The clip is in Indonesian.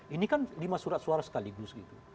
ini kan lima surat suara sekaligus gitu